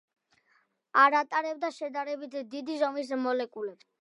არ ატარებს შედარებით დიდი ზომის მოლეკულებს.